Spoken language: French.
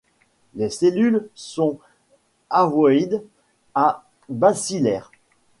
Les cellules sont ovoïdes à bacillaires.